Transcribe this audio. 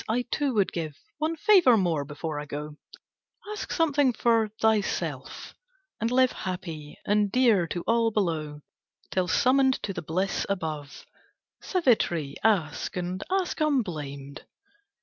I too would give One favour more before I go; Ask something for thyself, and live Happy, and dear to all below, Till summoned to the bliss above. Savitri ask, and ask unblamed."